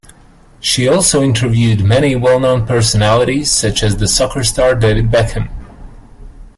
She also interviewed many well known personalities such as the soccer star David Beckham.